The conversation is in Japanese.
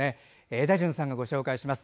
エダジュンさんがご紹介します。